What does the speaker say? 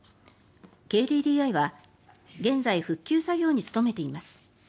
ＫＤＤＩは現在復旧作業に努めています